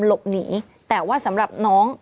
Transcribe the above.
หลบหนีแต่ว่าสำหรับน้อง